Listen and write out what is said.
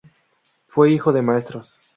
Fue hijo de maestros.